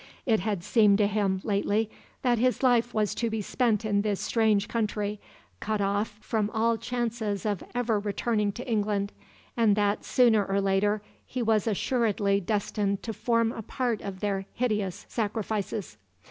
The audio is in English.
It had seemed to him, lately, that his life was to be spent in this strange country, cut off from all chances of ever returning to England; and that, sooner or later, he was assuredly destined to form a part of their hideous sacrifices.